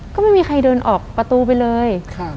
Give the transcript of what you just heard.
ก็ไม่มีใครเดินออกประตูไปเลย